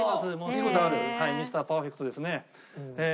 はいミスターパーフェクトですねええー。